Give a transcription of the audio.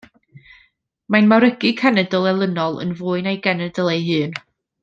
Mae'n mawrygu cenedl elynol yn fwy na'i genedl ei hun.